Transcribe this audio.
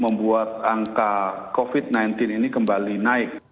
membuat angka covid sembilan belas ini kembali naik